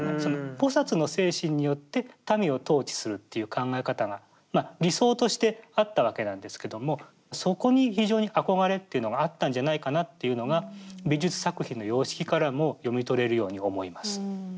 菩の精神によって民を統治するっていう考え方がまあ理想としてあったわけなんですけどもそこに非常に憧れっていうのがあったんじゃないかなっていうのが美術作品の様式からも読み取れるように思います。